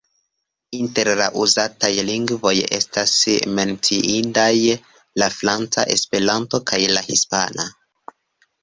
Inter la uzataj lingvoj estas menciindaj la franca, Esperanto kaj la hispana.